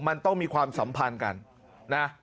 มันต้องมีความสัมพันธ์กันนะ